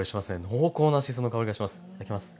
濃厚なしその香りがします。